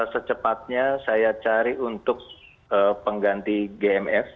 secepatnya saya cari untuk pengganti gmf